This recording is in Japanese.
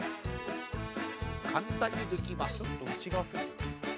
簡単にできます。